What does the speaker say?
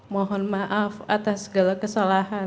mohon maaf atas segala kesalahan